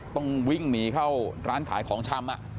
ต้องวิ่งหนีเข้าร้านขายของชำ